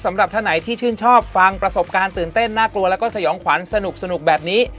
สำหรับท่านไหนที่ชื่นชอบฟังประสบการณ์ตื่นเต้นน่ากลัวแล้วก็สยองขวัญสนุกแบบนี้